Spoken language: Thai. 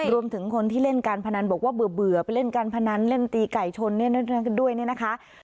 รวมถึงคนที่เล่นการพนันบอกว่าเบื่อไปเล่นการพนันเล่นตีไก่ชนด้วยเนี่ยนะคะ